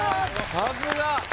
さすが！